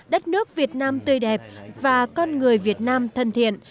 đất nước việt nam tươi đẹp và con người việt nam thân thiện